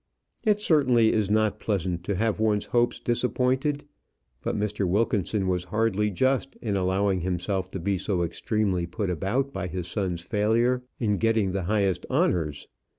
It certainly is not pleasant to have one's hopes disappointed; but Mr. Wilkinson was hardly just in allowing himself to be so extremely put about by his son's failure in getting the highest honours.